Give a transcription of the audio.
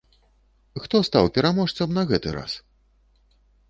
Хто стаў пераможцам на гэты раз?